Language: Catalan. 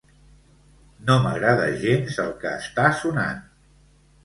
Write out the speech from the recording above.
No m'agrada gens el que està sonant.